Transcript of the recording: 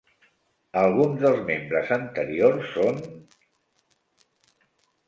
Alguns dels membres anteriors són...